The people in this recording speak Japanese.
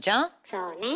そうね。